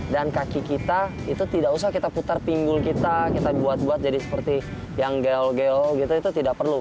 dan kaki kita itu tidak usah kita putar pinggul kita kita buat buat jadi seperti yang geol geol gitu itu tidak perlu